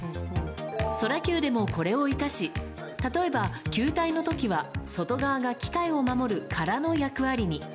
ソラキューでもこれを生かし、例えば、球体のときは外側が機械を守る殻の役割に。